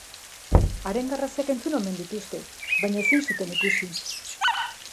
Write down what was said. Haren garrasiak entzun omen dituzte, baina ezin zuten ikusi.